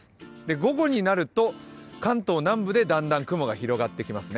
午後になると関東南部でだんだん雲が広がってきますね。